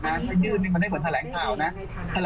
ถ้ายื่นนี่เขาได้เหมือนแถลงข่าวนะ